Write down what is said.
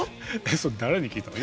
それ誰に聞いたの？